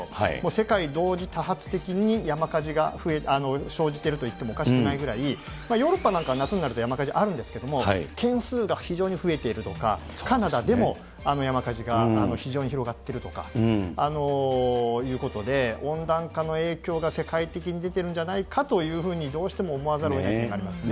世界同時多発的に山火事が生じているといってもおかしくないぐらい、ヨーロッパなんか夏になると山火事あるんですけれども、件数が非常に増えているとか、カナダでも山火事が非常に広がっているとかいうことで、温暖化の影響が世界的に出てるんじゃないかというふうにどうしても思わざるをえないですね。